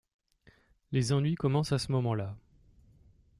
Les ennuis commencent à ce moment-là.